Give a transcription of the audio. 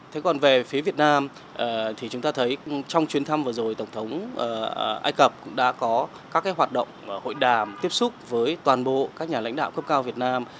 thế còn về phía việt nam thì chúng ta thấy trong chuyến thăm vừa rồi tổng thống ai cập cũng đã có các hoạt động hội đàm tiếp xúc với toàn bộ các nhà lãnh đạo cấp cao việt nam